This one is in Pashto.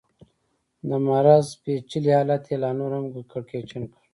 د مرض پېچلی حالت یې لا نور هم کړکېچن کړ.